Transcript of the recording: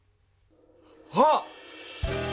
あっ！